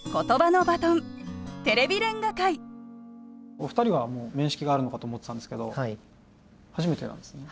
お二人は面識があるのかと思ってたんですけど初めてなんですね。